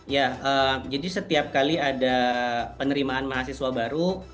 ya jadi setiap kali ada penerimaan mahasiswa baru